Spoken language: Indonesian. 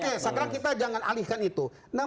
oke sekarang kita jangan alihkan itu